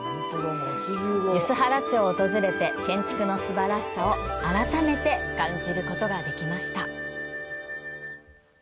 梼原町を訪れて、建築のすばらしさを改めて感じることができました。